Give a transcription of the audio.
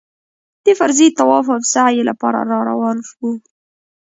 د فرضي طواف او سعيې لپاره راروان شوو.